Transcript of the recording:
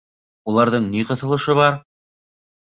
Уларҙың ни ҡыҫылышы бар?